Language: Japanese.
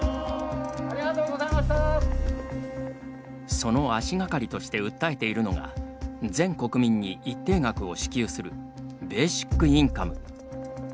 その足がかりとして訴えているのが全国民に一定額を支給するベーシックインカム。